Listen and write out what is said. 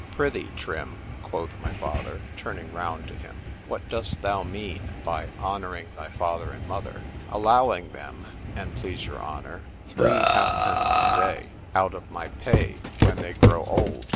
—Prithee, Trim, quoth my father, turning round to him,—What dost thou mean, by "honouring thy father and mother?" Allowing them, an' please your honour, three halfpence a day out of my pay, when they grow old.